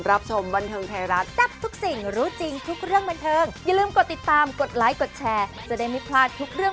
รู้จริงทุกเรื่องบรรเทิร์น